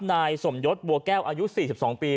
นายสมยศบัวแก้วอายุ๔๒ปี